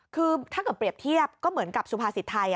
คือถ้าเกิดเปรียบเทียบก็เหมือนกับสุภาษิตไทย